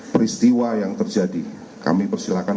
peristiwa yang terjadi kami persilahkan